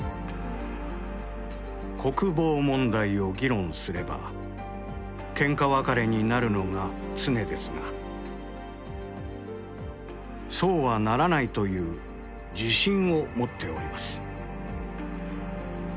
「国防問題を議論すればケンカ別れになるのが常ですがそうはならないという自信を持っております」。